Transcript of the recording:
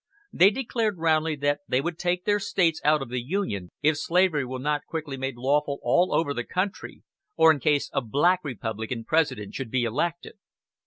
They declared roundly that they would take their States out of the Union if slavery were not quickly made lawful all over the country, or in case a "Black Republican" President should be elected.